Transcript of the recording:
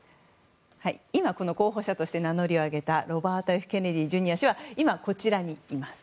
今、候補者として名乗りを上げたロバート・Ｆ・ケネディ・ジュニア氏は今、こちらにいます。